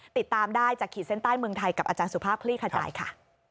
ติดตามได้จากขีดเส้นใต้เมืองไทยกับอาจารย์สุภาพคลี่ขจายค่ะ